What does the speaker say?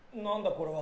これは？